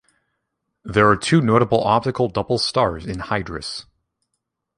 There are two notable optical double stars in Hydrus.